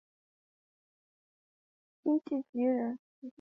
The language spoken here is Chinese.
辛弃疾人。